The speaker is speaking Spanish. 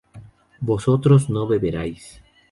vosotros no beberíais